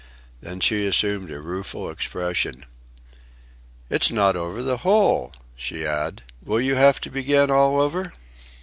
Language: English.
Then she assumed a rueful expression. "It's not over the hole," she add. "Will you have to begin all over?"